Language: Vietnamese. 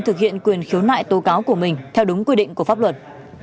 thực hiện quyền khiếu nại tố cáo của mình theo đúng quy định của pháp luật